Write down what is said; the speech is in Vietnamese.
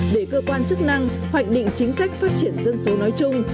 để cơ quan chức năng hoạch định chính sách phát triển dân số nói chung